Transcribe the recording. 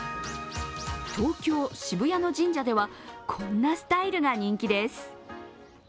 東京・渋谷の神社では、こんなスタイルが人気です。